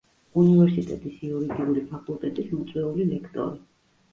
უნივერსიტეტის იურიდიული ფაკულტეტის მოწვეული ლექტორი.